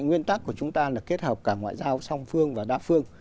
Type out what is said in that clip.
nguyên tắc của chúng ta là kết hợp cả ngoại giao song phương và đa phương